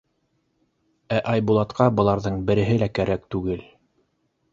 Ә Айбулатҡа быларҙың береһе лә кәрәк түгел.